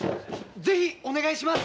ぜひお願いします！